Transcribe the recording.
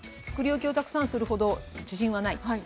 作り置きをたくさんするほど自信はない。